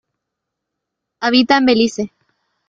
Habita en Belice.